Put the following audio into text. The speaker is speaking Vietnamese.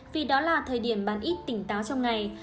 vì đó là thời điểm bán ít tỉnh táo trong ngày